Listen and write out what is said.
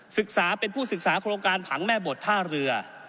ศึกษาเป็นผู้ศึกษาโครงการผังแม่บทท่าเรือ